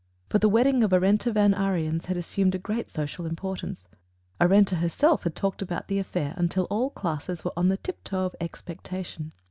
For the wedding of Arenta Van Ariens had assumed a great social importance. Arenta herself had talked about the affair until all classes were on the tiptoe of expectation.